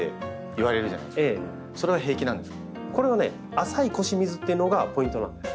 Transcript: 浅い腰水っていうのがポイントなんです。